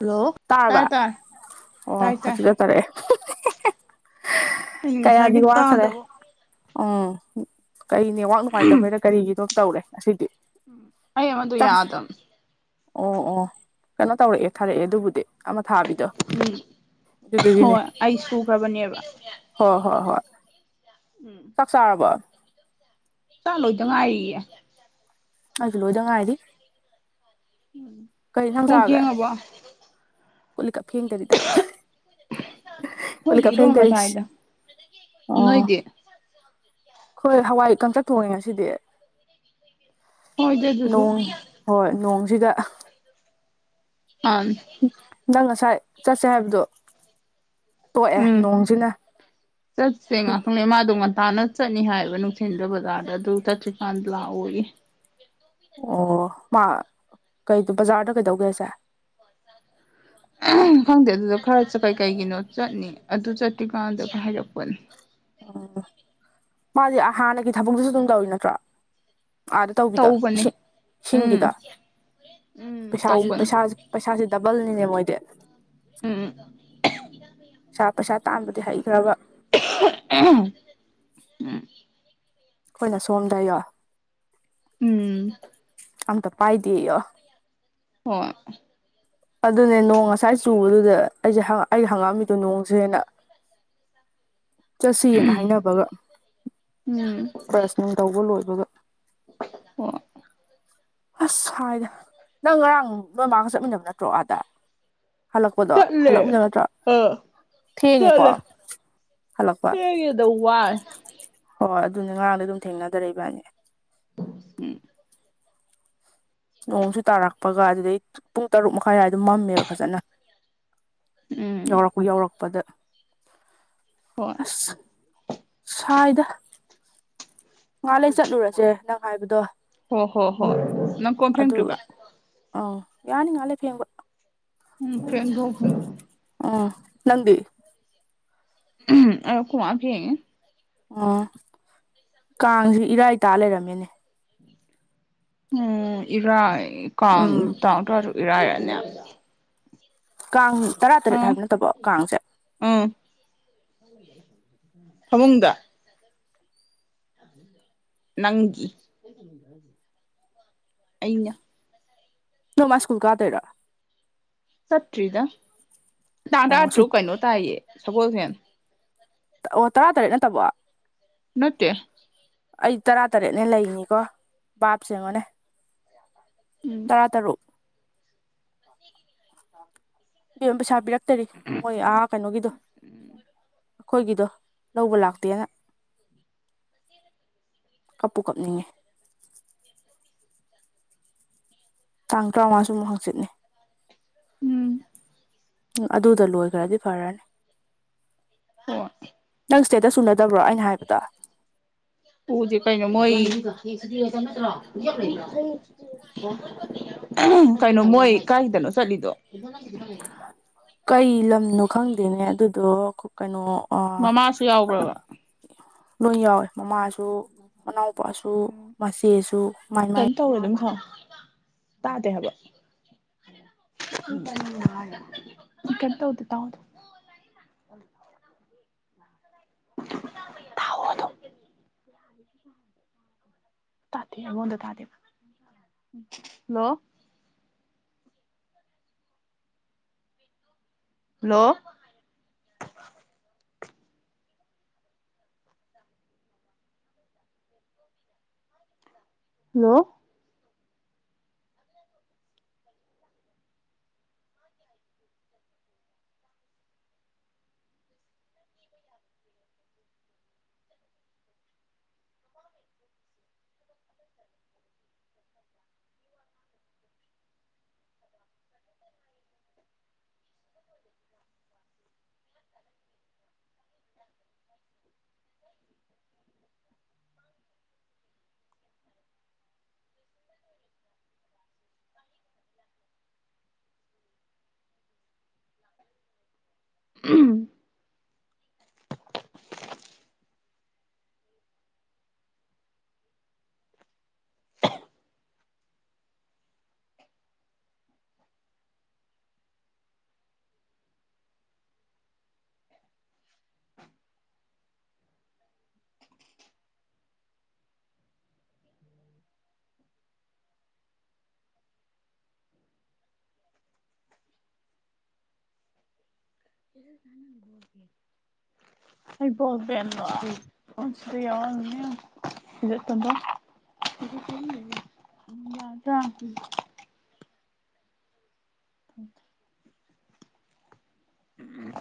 hello ꯇꯥꯕ ꯇꯥꯔꯦ ꯇꯥꯔꯦ ꯑꯣ ꯇꯥꯏ ꯇꯥꯏ ꯍꯧꯖꯤꯛ ꯆ ꯇꯔꯛꯑꯦ ꯑꯩꯅ ꯀꯌꯥꯗꯤ ꯉꯁꯥꯏꯒꯤ ꯋꯥꯈꯔꯦ ꯇꯥꯗꯕ ꯎꯝ ꯀꯩꯅꯦ ꯋꯥꯛ ꯅꯨꯡꯉꯥꯏꯇꯕꯩꯗ ꯀꯔꯤꯒꯤꯗꯣꯝ ꯇꯧꯔꯦ ꯑꯁꯤꯗꯤ ꯑꯩ ꯃꯗꯨ ꯌꯥꯗ ꯑꯣ ꯑꯣ ꯀꯩꯅꯣ ꯇꯧꯔꯛꯑꯦ ꯊꯥꯔꯛꯑꯦ ꯑꯗꯨꯕꯨꯗꯤ ꯑꯃ ꯊꯥꯕꯤꯗꯣ ꯎ ꯑꯗꯨꯗꯨꯒꯤꯅꯦ ꯍꯣꯏ ꯑꯩ ꯁꯨꯈ꯭ꯔꯕꯅꯦꯕ ꯍꯣꯏ ꯍꯣꯏ ꯍꯣꯏ ꯆꯥꯛ ꯆꯥꯔꯕꯣ ꯆꯥꯛꯂꯣꯏꯗ ꯉꯏꯔꯤꯌꯦ ꯑꯗꯨ ꯂꯣꯏꯗ ꯉꯥꯏꯗꯤ ꯄꯣ ꯐꯔ ꯍꯕ ꯀꯠꯂ ꯀꯞ ꯐꯡꯗꯔꯤꯗ ꯈꯣꯏꯗꯤ ꯀꯣꯂꯤꯀ ꯐ ꯏꯔꯣꯝꯕ ꯇꯁꯤ ꯆꯥꯏꯗ ꯑꯣ ꯅꯣꯏꯗꯤ ꯍꯣꯏ ꯍꯋꯥꯏ ꯀꯪꯆꯠ ꯊꯣꯡꯉꯦ ꯉꯁꯤꯗꯤ ꯍꯣꯏꯗ ꯑꯗꯨꯁꯨ ꯅꯣꯡ ꯍꯣꯏ ꯅꯣꯡꯁꯤꯗ ꯑ ꯅꯪ ꯉꯁꯥꯏ ꯆꯠꯁꯦ ꯍꯥꯏꯕꯗꯑꯣ ꯇꯣꯛꯑꯦ ꯎꯝ ꯅꯣꯡꯁꯤꯅ ꯆꯠꯁꯦ ꯉꯥꯛꯇꯪꯅꯦ ꯃꯥꯗꯣ ꯉꯟꯇꯥꯅ ꯆꯠꯅꯤ ꯍꯥꯏꯌꯦꯕ ꯅꯨꯡꯊꯤꯟꯗ ꯕꯖꯥꯔꯗ ꯑꯗꯨ ꯆꯠꯇ꯭ꯔꯤꯀꯥꯟꯗ ꯂꯥꯛꯑꯣꯒꯤ ꯑꯣ ꯃꯥ ꯀꯩ ꯕꯖꯥꯔꯗ ꯀꯩꯗꯧꯒꯦꯁꯦ ꯈꯪꯗꯦ ꯑꯗꯨꯗ ꯈꯔ ꯀꯩ ꯀꯩꯒꯤꯅꯣ ꯆꯠꯅꯤ ꯑꯗꯨ ꯆꯠꯇ꯭ꯔꯤꯀꯥꯟꯗ ꯍꯥꯏꯔꯛꯄꯅꯦ ꯑꯥ ꯃꯥꯗꯤ ꯍꯥꯟꯅꯒꯤ ꯊꯕꯛꯇꯨꯁꯨ ꯑꯗꯨꯝ ꯇꯧꯔꯤ ꯅꯠꯇ꯭ꯔꯣ ꯑꯥꯗ ꯇꯧꯕꯤꯗ ꯇꯧꯕꯅꯦ ꯏꯁꯤꯡ ꯎꯝ ꯏꯁꯤꯡꯒꯤꯗꯣ ꯎꯝ ꯄꯩꯁꯥꯁꯤ ꯇꯧꯕꯅꯦ ꯄꯩꯁꯥꯁꯤ ꯄꯩꯁꯥꯁꯦ ꯗꯕꯜꯅꯤꯅꯦ ꯃꯣꯏꯗꯤ ꯎꯝ ꯄꯥ ꯄꯩꯁꯥ ꯇꯥꯟꯕꯗꯤ ꯍꯩꯈ꯭ꯔꯕ [unintelligible] ꯑꯩꯈꯣꯏꯅ ꯁꯣꯝꯗ ꯌꯣ ꯎꯝ ꯑꯝꯇ ꯄꯥꯏꯗꯦ ꯌꯣ ꯍꯣꯏ ꯑꯗꯨꯅꯦ ꯅꯣꯡ ꯉꯁꯥꯏ ꯆꯨꯕꯗꯨꯗ ꯑꯩꯁꯦ ꯑꯩ ꯍꯪꯉꯛꯝꯃꯤꯗꯣ ꯅꯣꯡꯁꯦ ꯍꯅ ꯆꯠꯁꯤꯅ ꯍꯥꯏꯅꯕꯒ ꯎꯝ ꯕꯔꯁꯅꯤꯡ ꯇꯧꯕ ꯂꯣꯏꯕꯒ ꯑꯣ ꯑꯁ ꯍꯥꯏꯗ ꯅꯪ ꯉꯔꯥꯡ ꯅꯣꯏ ꯃꯥꯒ ꯆꯠꯃꯤꯟꯅꯕ ꯅꯠꯇ꯭ꯔꯣ ꯑꯥꯗ ꯍꯜꯂꯛꯄꯗꯣ ꯆꯠꯂꯦ ꯍꯜꯂꯛꯃꯤꯗ ꯅꯠꯇ꯭ꯔꯣ ꯑꯥ ꯊꯦꯡꯉꯦꯀꯣ ꯆꯠꯂꯦ ꯍꯜꯂꯛꯄ ꯊꯦꯡꯉꯦꯗ ꯋꯥꯏ ꯍꯣꯏ ꯑꯗꯨꯅꯦ ꯑꯉꯥꯡꯗ ꯑꯗꯨꯝ ꯊꯦꯡꯅꯗꯔꯛꯏꯕꯥꯅꯤ ꯑꯣ ꯎꯝ ꯅꯣꯡꯁꯨ ꯇꯥꯔꯛꯄꯒ ꯑꯗꯨꯗꯩ ꯄꯨꯡ ꯇꯔꯨꯛ ꯃꯈꯥꯏ ꯍꯥꯏꯗꯣ ꯑꯗꯨꯝ ꯃꯝꯃꯦꯕ ꯐꯖꯅ ꯎꯝ ꯌꯧꯔꯛꯄꯨ ꯌꯧꯔꯛꯄꯥꯗ ꯍꯣꯏ ꯁꯥꯏꯗ ꯉꯥꯏꯍꯛ ꯂꯩ ꯆꯠꯂꯨꯔꯁꯦ ꯅꯪ ꯍꯥꯏꯕꯗꯣ ꯍꯣ ꯍꯣ ꯍꯣꯏ ꯅꯪ ꯀꯣꯟ ꯐꯦꯡꯗ꯭ꯔꯤꯕ ꯑꯧ ꯌꯥꯅꯤ ꯉꯥꯏꯍꯛ ꯂꯩꯔ ꯐꯦꯡꯕ ꯎꯝ ꯐꯦꯡꯗꯣꯛ [unintelligible] ꯑꯥ ꯅꯪꯗꯤ ꯎꯝ ꯑꯩꯈꯣꯏ ꯃꯥꯅ ꯐꯦꯡꯏ ꯑꯁ ꯀꯥꯡꯖꯦ ꯏꯔꯥꯏ ꯇꯥ ꯂꯩꯔꯝꯃꯦꯅꯦ ꯎꯝ ꯏꯔꯥꯏ ꯀꯥꯡ ꯎꯝ ꯇꯥꯔ ꯇꯔꯨꯛ ꯏꯔꯥꯏꯔꯅꯦ ꯀꯥꯡ ꯇꯔꯥ ꯇꯔꯦꯠ ꯑꯥ ꯍꯥꯏꯕ ꯅꯠꯇꯕꯣ ꯀꯥꯡꯁꯦ ꯎꯝ ꯐꯃꯨꯡꯗ ꯅꯪꯒꯤ ꯑꯩꯅ ꯅꯣꯡꯃ ꯁꯀꯨꯜ ꯀꯥꯗꯣꯏꯔꯥ ꯆꯠꯇ꯭ꯔꯤꯗ ꯇꯥꯡ ꯇꯔꯥ ꯑꯣ ꯁꯨ ꯇꯔꯨꯛ ꯀꯩꯅꯣ ꯇꯥꯏꯌꯦ ꯁꯒꯣꯜꯁꯦꯟ ꯑꯣ ꯇꯔꯥ ꯇꯔꯦꯠ ꯅꯠꯇꯕꯣ ꯅꯠꯇꯦ ꯑꯩ ꯇꯔꯥ ꯇꯔꯦꯠꯅꯦꯅ ꯂꯩꯅꯤꯀꯣ ꯕꯥꯞꯁꯦ ꯌꯦꯡꯉꯣꯅꯦ ꯎꯝ ꯇꯔꯥ ꯇꯔꯨꯛ ꯏꯕꯦꯝ ꯄꯩꯁꯥ ꯄꯤꯔꯛꯇꯔꯤ ꯃꯣꯏ ꯑꯥ ꯀꯩꯅꯣꯒꯤꯗꯣ ꯑꯩꯈꯣꯏꯒꯤꯗꯣ ꯂꯧꯕ ꯂꯥꯛꯇꯦꯅ ꯀꯞꯄꯨ ꯀꯞꯅꯤꯡꯉꯦ ꯇꯥꯡ ꯇꯔꯥꯃꯉꯥꯁꯨ ꯑꯃꯨꯛ ꯍꯥꯡꯆꯤꯠꯅꯤ ꯎꯝ ꯎꯝ ꯑꯗꯨꯗ ꯂꯣꯏꯈ꯭ꯔꯗꯤ ꯐꯔꯅꯤ ꯍꯣꯏ ꯅꯪ ꯁ꯭ꯇꯦꯠꯇꯁ ꯎꯅꯗꯕ꯭ꯔꯣ ꯑꯩꯅ ꯍꯥꯏꯕꯗꯣ ꯎꯗꯦ ꯀꯩꯅꯣ ꯃꯣꯏ ꯀꯩꯅꯣ ꯃꯣꯏ ꯀꯥꯏꯗꯅꯣ ꯆꯠꯂꯤꯗꯣ ꯀꯩ ꯂꯝꯅꯣ ꯈꯪꯗꯦꯅꯦ ꯑꯗꯨꯗꯣ ꯀꯩꯅꯣ ꯑ ꯃꯃꯥꯁꯨ ꯌꯥꯎꯕ꯭ꯔꯕ ꯂꯣꯏ ꯌꯥꯎꯋꯦ ꯃꯃꯥꯁꯨ ꯃꯅꯥꯎꯄꯥꯁꯨ ꯎꯝ ꯃꯆꯦꯁꯨ ꯃꯥꯏ ꯃꯥꯏ ꯀꯩꯅꯣ ꯇꯧꯔꯦ ꯑꯗꯨꯝ ꯊꯝꯃꯨ ꯇꯥꯗꯦ ꯍꯥꯏꯕ ꯀꯩꯝ ꯇꯧꯗꯦ ꯇꯥꯎ ꯑꯗꯨꯝ ꯇꯥꯎꯋꯣ ꯑꯗꯨꯝ ꯇꯥꯗꯦ ꯑꯩꯉꯣꯟꯗ ꯇꯥꯗꯦꯕ ꯍꯜꯂꯣ ꯍꯜꯂꯣ ꯍꯜꯂꯣ [inaudible] ꯎꯝ [inaudible] ꯍꯩꯕꯣꯡꯕꯦꯝꯔꯣ ꯑꯁꯤꯗ ꯌꯥꯎꯔꯝꯅꯤ ꯌꯦꯡꯉꯨ ꯁꯤꯗ ꯇꯣꯟ ꯇꯣꯟ [unintelligible] ꯊꯝ ꯊꯝ ꯎꯝ